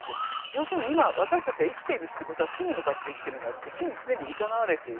要するに今私たちが生きてるってことは死に向かって生きてるんだって死に常にいざなわれている。